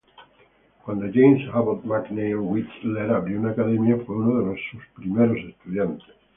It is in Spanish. Cuando James Abbott McNeill Whistler abrió una academia, fue una de sus primeros estudiantes.